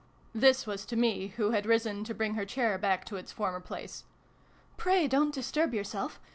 (This was to me, who had risen to bring her chair back to its former place.) " Pray don't disturb yourself.